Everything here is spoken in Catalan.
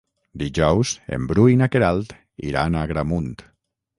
Dijous en Bru i na Queralt iran a Agramunt.